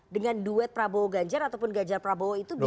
dengan duet prabowo gajar ataupun gajar prabowo itu bisa